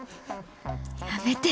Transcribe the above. やめて。